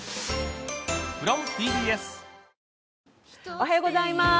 おはようございます。